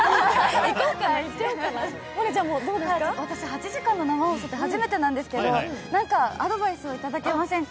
８時間の生放送って初めてなんですけど何かアドバイスをいただけませんか？